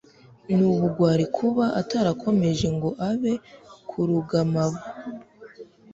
Nubugwari kuba atarakomeje ngo abe ku rugamab